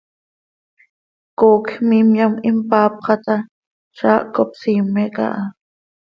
coocj miimyam impaapxa ta, zaah cop siime aha.